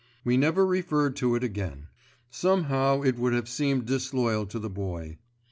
We never referred to it again. Somehow it would have seemed disloyal to the Boy.